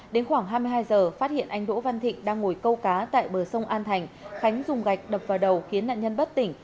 đến khoảng hai mươi hai giờ phát hiện anh đỗ văn thịnh đang ngồi câu cá tại bờ sông an thành khánh dùng gạch đập vào đầu khiến nạn nhân bất tỉnh